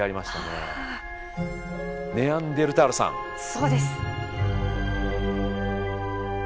そうです。